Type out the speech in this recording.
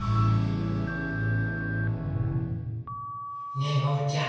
ねえおうちゃん。